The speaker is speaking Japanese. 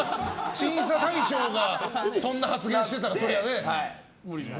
審査対象がそんな発言をしてたら、それはね。